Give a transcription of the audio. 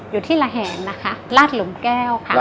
อยู่ที่ระแหงนะคะราดหลุมแก้วค่ะ